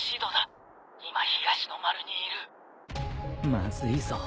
まずいぞ。